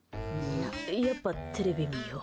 やっぱテレビ見よう。